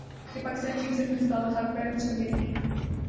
کہ پاکستانی ٹیم صرف مصباح الحق پر مشتمل نہیں